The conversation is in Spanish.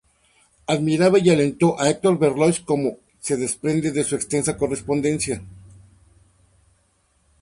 Admiraba y alentó a Hector Berlioz, como se desprende de su extensa correspondencia.